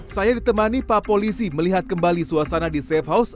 saya ditemani pak polisi melihat kembali suasana di safe house